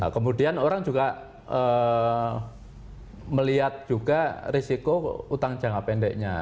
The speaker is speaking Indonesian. kemudian orang juga melihat juga risiko utang jangka pendeknya